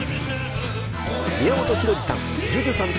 宮本浩次さん